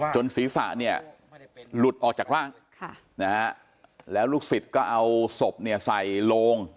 ศีรษะเนี่ยหลุดออกจากร่างแล้วลูกศิษย์ก็เอาศพเนี่ยใส่โลง